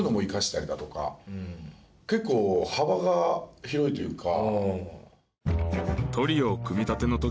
結構幅が広いというか。